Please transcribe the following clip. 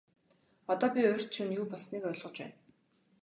Одоо би урьд шөнө юу болсныг ойлгож байна.